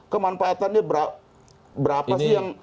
kemanfaatannya berapa sih